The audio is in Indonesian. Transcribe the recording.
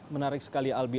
menarik sekali albi